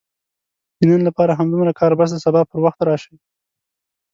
د نن لپاره همدومره کار بس دی، سبا پر وخت راشئ!